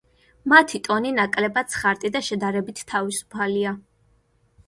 მათი ტონი ნაკლებად სხარტი და შედარებით თავისუფალია.